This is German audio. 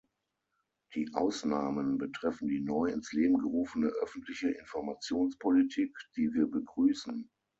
Die Ausnahmen betreffen die neu ins Leben gerufene öffentliche Informationspolitik, die wir begrüßen.